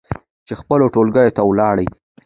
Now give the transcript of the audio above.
چې خپلو ټولګيو ته ولاړې